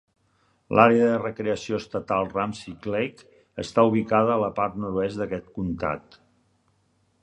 L'àrea de recreació estatal Ramsey Lake està ubicada a la part nord-oest d'aquest comtat.